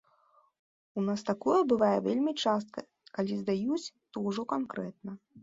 У нас такое бывае вельмі часта, калі здаюць, то ўжо канкрэтна.